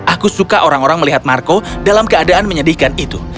aku suka orang orang melihat marco dalam keadaan menyedihkan itu